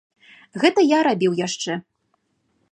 Гэта я рабіў яшчэ.